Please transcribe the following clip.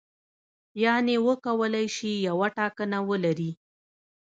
یعنې وکولای شي یوه ټاکنه ولري.